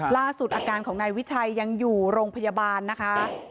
ล่าสุดอาการของนายวิชัยยังอยู่โรงพยาบาลนะคะ